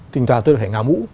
thỉnh thoảng tôi phải ngào mũ